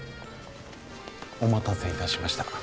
お待たせいたしました。